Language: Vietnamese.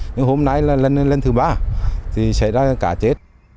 nhưng hôm nay là lần thứ ba thì xảy ra cá chết